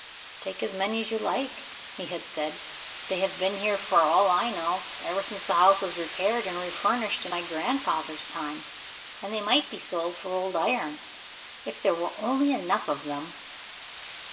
"Take as many as you like," he had said; "they have been here, for all I know, ever since the house was repaired and refurnished in my grandfather's time, and they might be sold for old iron, if there were only enough of them."